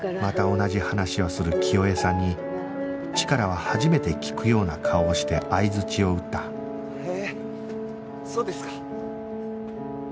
また同じ話をする清江さんにチカラは初めて聞くような顔をして相づちを打ったへえそうですか。